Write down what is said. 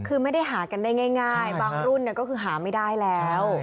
คือไม่ได้หากันได้ง่ายบางรุ่นก็คือหาไม่ได้แล้ว